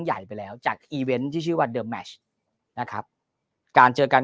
ใหญ่ไปแล้วจากอีเวนต์ที่ชื่อว่าเดอร์แมชนะครับการเจอกัน